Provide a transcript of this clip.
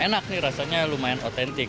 enak nih rasanya lumayan otentik